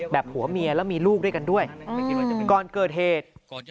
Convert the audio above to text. ผัวเมียแล้วมีลูกด้วยกันด้วยก่อนเกิดเหตุ